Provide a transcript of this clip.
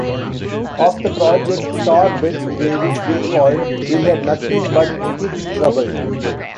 Of the project, star Bette Davis recalled, We had nothing but script trouble.